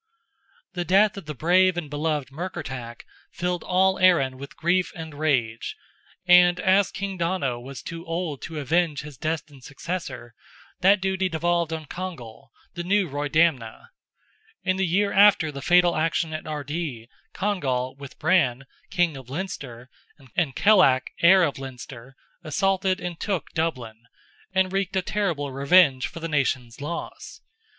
The death of the brave and beloved Murkertach filled all Erin with grief and rage, and as King Donogh was too old to avenge his destined successor, that duty devolved on Congal, the new Roydamna. In the year after the fatal action at Ardee, Congal, with Brann, King of Leinster, and Kellach, heir of Leinster, assaulted and took Dublin, and wreaked a terrible revenge for the nation's loss.